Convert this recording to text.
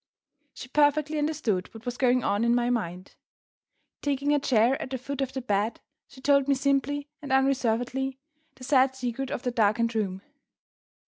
She perfectly understood what was going on in my mind. Taking a chair at the foot of the bed, she told me simply and unreservedly the sad secret of the darkened room.